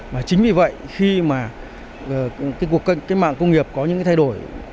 và chính vì vậy khi mà cái cuộc mạng công nghiệp có những cái thay đổi